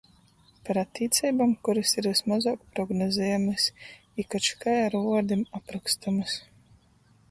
Par attīceibom, kurys ir vysmozuok prognozejamys i koč kai ar vuordim aprokstomys.